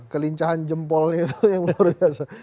kelincahan jempolnya itu yang luar biasa